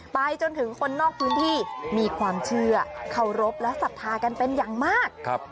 ไปจนถึงคนนอกพื้นที่มีความเชื่อเคารพและศรัทธากันเป็นอย่างมาก